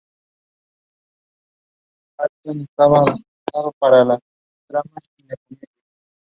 Harlan estaba dotado para el drama y la comedia, y rodó varios westerns.